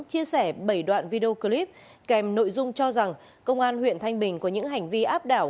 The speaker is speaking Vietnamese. chia sẻ bảy đoạn video clip kèm nội dung cho rằng công an huyện thanh bình có những hành vi áp đảo